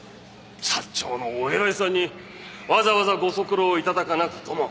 サッチョウのお偉いさんにわざわざご足労頂かなくとも。